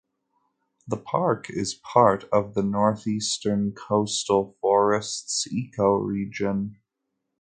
The park is part of the Northeastern coastal forests ecoregion.